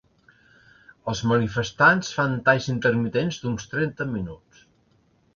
Els manifestants fan talls intermitents d’uns trenta minuts.